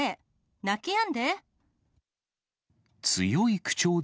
泣きやんで。